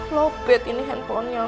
loh bet ini handphonenya